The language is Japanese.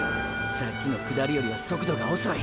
さっきの下りよりは速度が遅い。